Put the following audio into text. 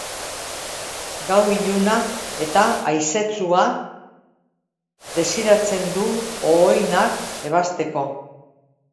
Gau iluna eta haizetsua desiratzen du ohoinak ebasteko.